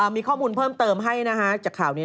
มีข้อมูลเพิ่มเติมให้นะฮะ